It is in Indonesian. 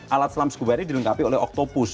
alat selam scuba ini dilengkapi oleh oktopus